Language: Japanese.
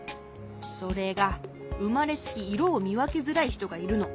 それがうまれつきいろをみわけづらいひとがいるの。